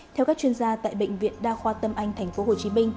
theo các chuyên gia tại bệnh viện đa khoa tâm anh tp hcm